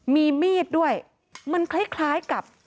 มีมีดด้วยมันคล้ายกับ